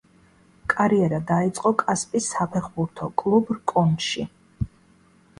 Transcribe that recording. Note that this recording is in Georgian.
კარიერა დაიწყო კასპის საფეხბურთო კლუბ „რკონში“.